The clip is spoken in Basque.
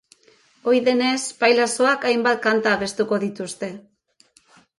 Ohi denez, pailazoek hainbat kanta abestuko dituzte.